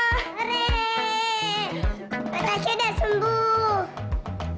kak tasya udah sembuh